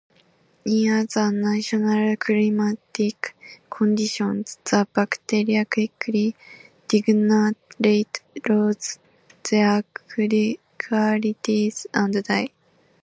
In other natural climatic conditions the bacteria quickly degenerate, lose their qualities and die.